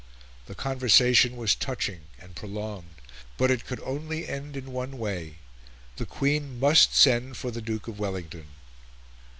The conversation was touching and prolonged; but it could only end in one way the Queen must send for the Duke of Wellington.